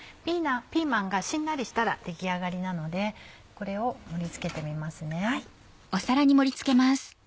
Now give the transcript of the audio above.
ピーマンがしんなりしたら出来上がりなのでこれを盛り付けてみますね。